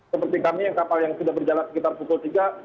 seperti kami yang kapal yang sudah berjalan sekitar pukul tiga